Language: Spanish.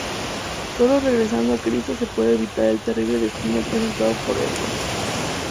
Sólo regresando a Cristo se puede evitar el terrible destino presentado por Edwards.